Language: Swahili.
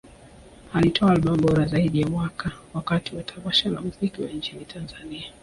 Alitoa Albam bora zaidi ya Mwaka wakati wa tamasha la Muziki wa Injili Tanzania